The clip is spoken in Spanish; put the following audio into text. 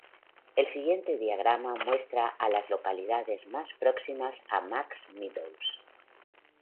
El siguiente diagrama muestra a las localidades más próximas a Max Meadows.